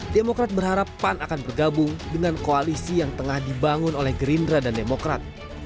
demokrat berharap pan akan bergabung dengan koalisi yang tengah dibangun oleh gerindra dan demokrat